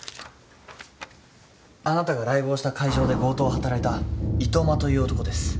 あなたがライブをした会場で強盗を働いた糸間という男です。